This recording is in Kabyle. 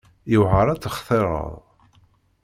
Yewεer ad textireḍ.